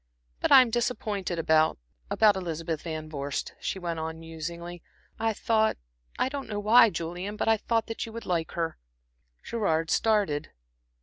But I'm disappointed about about Elizabeth Van Vorst," she went on, musingly. "I thought I don't know why, Julian but I thought that you would like her." Gerard started.